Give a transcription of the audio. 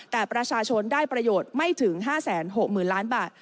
แต่ประชาชนได้ประโยชน์ไม่ถึง๕๖๐๐๐ล้านบาท